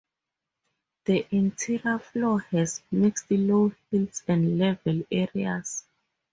The interior floor has mixed low hills and level areas.